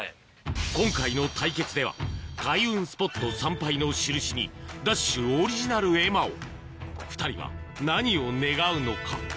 今回の対決では開運スポット参拝の印に『ＤＡＳＨ‼』オリジナル絵馬を２人は何を願うのか？